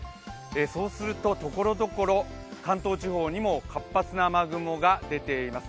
そうするとところどころ、関東地方にも活発な雨雲が出ています。